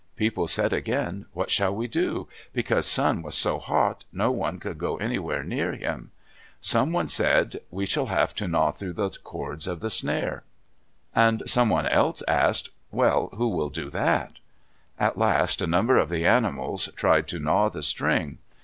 People said again, "What shall we do?" because Sun was so hot no one could go anywhere near him. Someone said, "We shall have to gnaw through the cords of the snare," and somebody else asked, "Well, who will do that?" At last a number of the animals tried to gnaw the string.